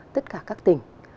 tất cả các tỉnh